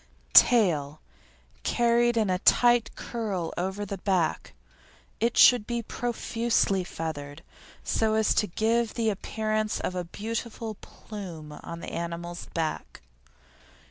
TAIL Carried in a tight curl over the back. It should be profusely feathered so as to give the appearance of a beautiful "plume" on the animal's back.